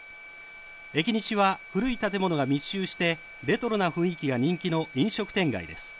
エキニシは古い建物が密集してレトロな雰囲気が人気の飲食店街です。